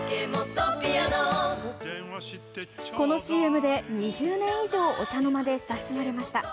このＣＭで２０年以上お茶の間で親しまれました。